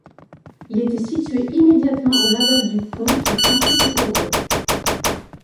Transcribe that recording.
Il était situé immédiatement en aval du pont qui franchit ce cours d'eau.